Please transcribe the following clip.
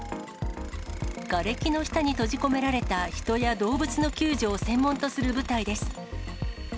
がれきの下に閉じ込められた人や動物の救助を専門とする部隊です。